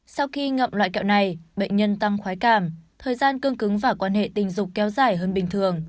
sau khi ngậm loại kẹo này bệnh nhân tăng khoái cảm thời gian cương cứng và quan hệ tình dục kéo dài hơn bình thường